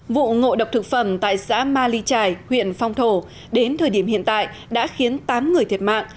vụ ngộ độc thực phẩm tại xã ma ly trài huyện phong thổ đến thời điểm hiện tại đã khiến tám người thiệt mạng